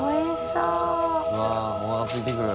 うわおなかすいてくる。